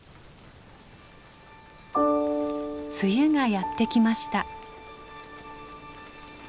梅雨がやって来ました。